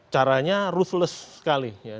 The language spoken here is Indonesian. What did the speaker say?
caranya ruthless sekali ya